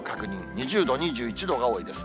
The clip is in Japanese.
２０度、２１度が多いです。